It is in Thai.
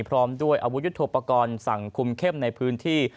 พร้อมด้วยอาวุธยุทธโปรกรณ์สั่งคุมเข้มในพื้นที่